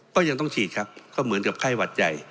ก็ยังต้องฉีดครับก็เหมือนกับไข้หวัดใหญ่